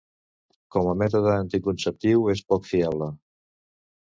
Com a mètode anticonceptiu és poc fiable.